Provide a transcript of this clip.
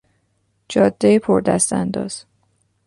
جادهی پردستانداز